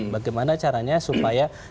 bagaimana caranya supaya